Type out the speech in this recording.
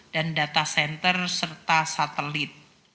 dan data center serta satelit